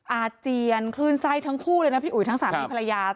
อาเจียนคลื่นไส้ทั้งคู่เลยนะพี่อุ๋ยทั้งสามีภรรยา